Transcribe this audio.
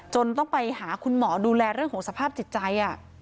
ต้องไปหาคุณหมอดูแลเรื่องของสภาพจิตใจ